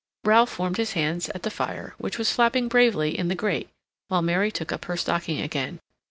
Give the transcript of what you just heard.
Ralph warmed his hands at the fire, which was flapping bravely in the grate, while Mary took up her stocking again.